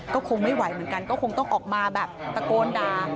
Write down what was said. ก็คงไม่ไหวเหมือนกันก็คงต้องออกมาแบบตะโกนด่า